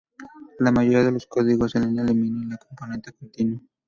La mayoría de los códigos en línea eliminan la componente continua.